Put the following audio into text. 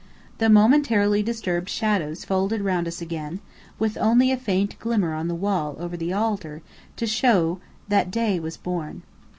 The momentarily disturbed shadows folded round us again, with only a faint glimmer on the wall over the altar to show that day was born.